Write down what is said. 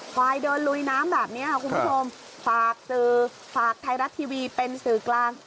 ควายเดินลุยน้ำแบบนี้ค่ะคุณผู้ชมฝากสื่อฝากไทยรัฐทีวีเป็นสื่อกลาง